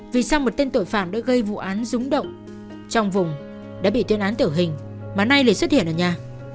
vì sau một tên tội phạm đã gây vụ án rúng động trong vùng đã bị tuyên án tử hình mà nay lại xuất hiện ở nhà